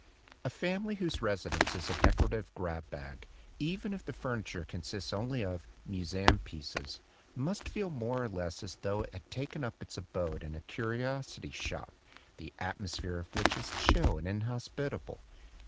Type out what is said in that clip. A family whose residence is a decorative grab bag, even if the furniture consists only of "museum pieces," must feel more or less as tho it had taken up its abode in a curiosity shop, the atmosphere of which is chill and in hospitable.